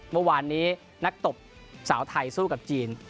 เมื่อวานนี้นักตบสาวไทยสู้กับจีน